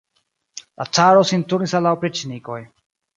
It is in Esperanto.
La caro sin turnis al la opriĉnikoj.